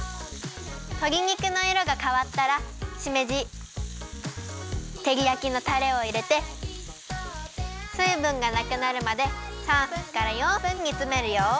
とり肉のいろがかわったらしめじてりやきのたれをいれてすいぶんがなくなるまで３分から４分につめるよ。